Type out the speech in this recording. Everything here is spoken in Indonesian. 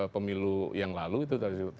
pemilu yang lalu itu